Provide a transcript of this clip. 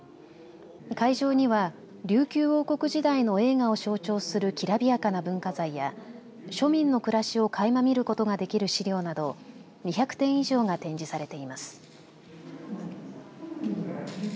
会場には琉球王国時代の栄華を象徴するきらびやかな文化財や庶民の暮らしを垣間見ることができる資料など２００点以上が展示されています。